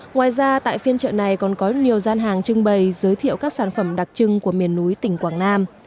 ngoài ra tại phiên chợ này còn có nhiều gian hàng trưng bày giới thiệu các sản phẩm đặc trưng của miền núi tỉnh quảng nam